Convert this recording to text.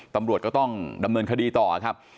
ตำรวจก็ต้องดำเนินคดีต่อครับ